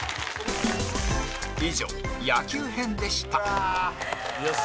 以上、野球編でした山崎：